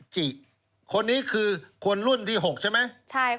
คนนี้คือคนรุ่นที่๖ใช่ไหม